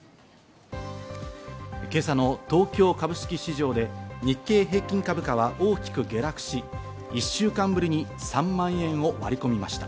今朝の東京株式市場で日経平均株価は大きく下落し、１週間ぶりに３万円を割り込みました。